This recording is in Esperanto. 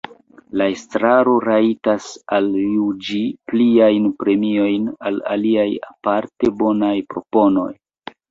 La Estraro rajtas aljuĝi pliajn premiojn al aliaj aparte bonaj proponoj.